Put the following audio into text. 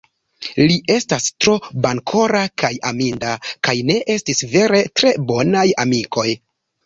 Li estas tro bonkora kaj aminda; kaj ne estis vere tre bonaj amikoj.